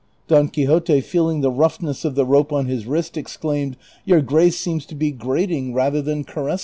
Don Quixote, feeling the roughness of the rope on his wrist, exclaimed, " Your grace seems to be grating rather than caress CHAPTER XLIII.